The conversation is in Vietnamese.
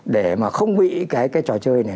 để mà không bị cái trò chơi này